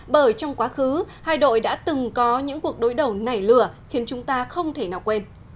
bởi trong quá khứ hai đội đã từng có những cuộc đối đầu nảy lửa khiến chúng ta không thể nào quên